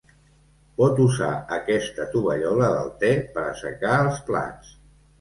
Pots usar aquesta tovallola del te per assecar els plats.